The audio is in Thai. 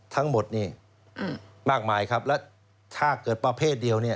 ทั้งหมดมากมายครับและถ้าเกิดประเภทเดียว